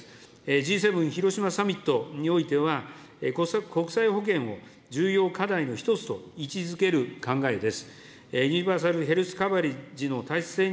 Ｇ７広島サミットにおいては、国際ほけんを重要課題の一つと位置づける考えです。